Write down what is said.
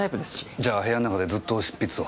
じゃ部屋の中でずっと執筆を？